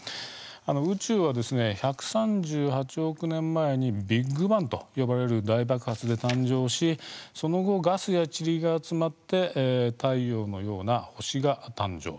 宇宙は１３８億年前にビッグバンと呼ばれる大爆発で誕生しその後、ガスやちりが集まって太陽のような星が誕生。